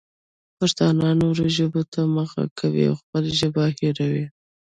پښتانه نورو ژبو ته مخه کوي او خپله ژبه هېروي.